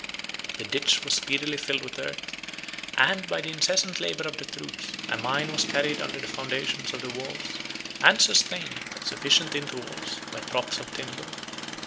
The ditch was speedily filled with earth; and, by the incessant labor of the troops, a mine was carried under the foundations of the walls, and sustained, at sufficient intervals, by props of timber.